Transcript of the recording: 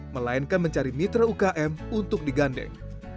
melainkan mencari mitra ukm untuk digandeng